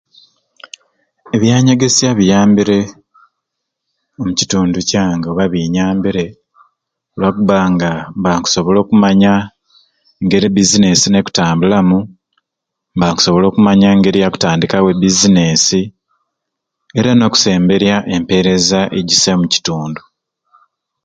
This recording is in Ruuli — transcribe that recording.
Ebyanyegesya biyambire omu kitundu kyange oba binyambire lwakubanga mba nkusobola okumanya ngeriki e business nekutambulamu MBA nkusobola okumanya engeri yakutandikawo e business era nokusemberya empereza egyisai omu kitundu